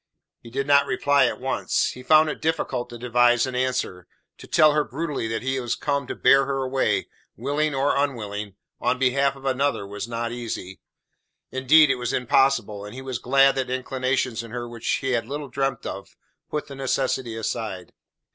He did not reply at once. He found it difficult to devise an answer. To tell her brutally that he was come to bear her away, willing or unwilling, on behalf of another, was not easy. Indeed, it was impossible, and he was glad that inclinations in her which he had little dreamt of, put the necessity aside.